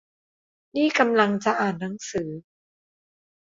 นี่กำลังจะอ่านหนังสือ